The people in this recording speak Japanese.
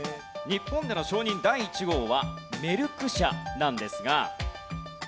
日本での承認第１号はメルク社なんですが。